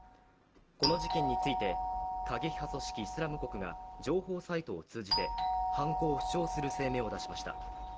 この事件について過激派組織イスラム国が情報サイトを通じて犯行を主張する声明を出しました